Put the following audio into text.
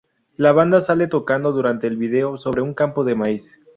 La banda sale tocando durante el video sobre un campo de maíz.